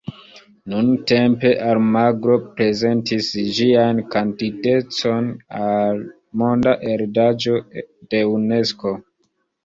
Nuntempe, Almagro prezentis ĝian kandidatecon al Monda heredaĵo de Unesko.